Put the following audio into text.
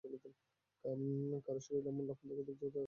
কারও শরীরে এমন লক্ষণ দেখা দিলে দ্রুত তাকে হাসপাতালে নিতে হবে।